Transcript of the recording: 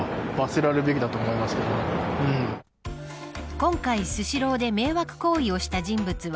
今回、スシローで迷惑行為をした人物は